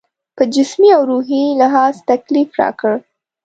په جسمي او روحي لحاظ تکلیف راکړ.